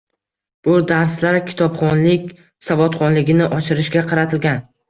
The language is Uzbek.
Bu darslar kitobxonlik savodxonligini oshirishga qaratilgan.